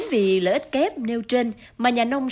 vì lợi ích kép nêu trên mà nhà nông